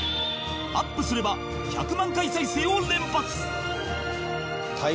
アップすれば１００万回再生を連発！